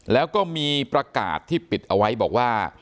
แล้วก็มีประกาศที่ปิดเอาไว้บอกว่า